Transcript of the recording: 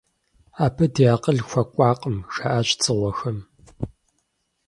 Абы ди акъыл хуэкӀуакъым, - жаӀащ дзыгъуэхэм.